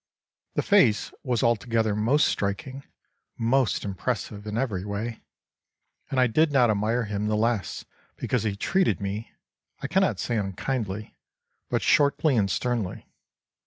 The face was altogether most striking, most impressive in every way. And I did not admire him the less because he treated me I cannot say unkindly, but shortly and sternly.